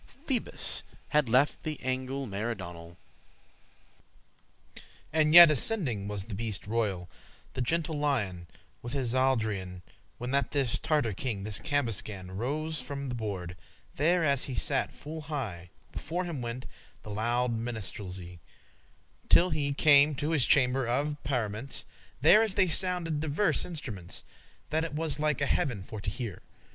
Phoebus had left the angle meridional, And yet ascending was the beast royal, The gentle Lion, with his Aldrian, <19> When that this Tartar king, this Cambuscan, Rose from the board, there as he sat full high Before him went the loude minstrelsy, Till he came to his chamber of parements,<20> There as they sounded diverse instruments, That it was like a heaven for to hear.